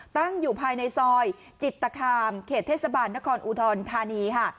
ตั้งอยู่ภายในซอยจิตคามเขตเทศบาลนครอุดรธานีค่ะ